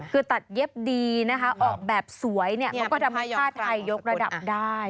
คือตัดเย็บดีนะคะออกแบบสวยมันก็ทำให้ผ้าไทยยกระดับได้